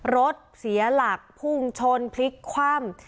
รถเสียหลักพุ่งชนพลิกคว่ำ